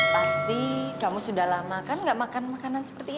pasti kamu sudah lama kan gak makan makanan seperti ini